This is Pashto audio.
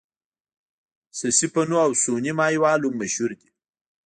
سسي پنو او سوهني ماهيوال هم مشهور دي.